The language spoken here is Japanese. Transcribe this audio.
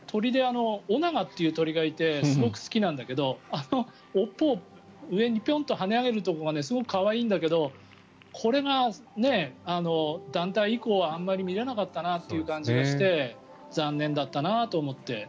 鳥でオナガという鳥がいてすごく好きなんだけどあの尾っぽを上にはね上げるのがすごく可愛いんだけどこれが団体以降はあんまり見れなかったなという感じがして残念だったなと思って。